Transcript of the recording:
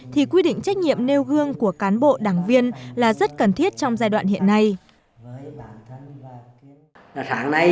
thì quy định trách nhiệm nêu gương của cán bộ đảng viên là rất cần thiết trong giai đoạn hiện nay